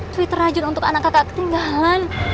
sweeter rajin untuk anak kakak ketinggalan